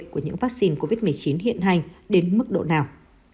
của những vắc xin covid một mươi chín hiện hành đến mức độ nào